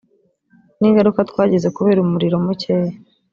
ni ingaruka twagize kubera umuriro mukeya